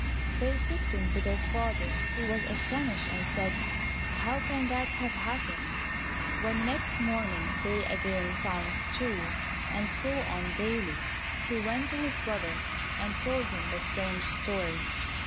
They took them to their father, who was astonished and said, "How can that have happened?" When next morning they again found two, and so on daily, he went to his brother and told him the strange story.